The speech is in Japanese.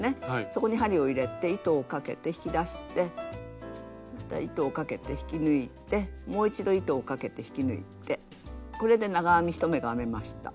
そこに針を入れて糸をかけて引き出してまた糸をかけて引き抜いてもう一度糸をかけて引き抜いてこれで長編み１目が編めました。